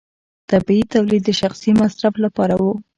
طبیعي تولید د شخصي مصرف لپاره و.